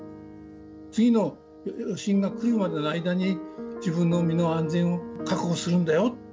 次の余震が来るまでの間に、自分の身の安全を確保するんだよって。